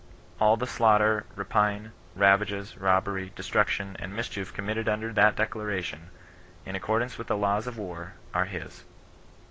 All the slaughter, rapine, ravages, robbery, destruction, and mischief committed under that declara tion, in accordance with the laws of war, are his.